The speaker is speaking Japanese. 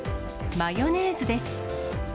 マヨネーズです。